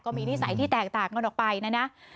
มีนิสัยที่แตกต่างกันออกไปนะนะ